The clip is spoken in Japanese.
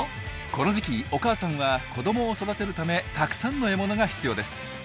この時期お母さんは子どもを育てるためたくさんの獲物が必要です。